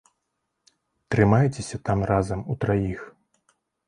Трымайцеся там разам утраіх.